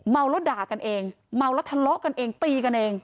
เมาแล้วด่ากันเองเมาแล้วทะเลาะกันเองตีกันเอง